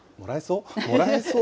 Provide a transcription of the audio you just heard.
もらえそう？